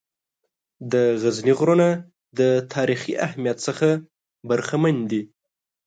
د غزني غرونه د تاریخي اهمیّت څخه برخمن دي.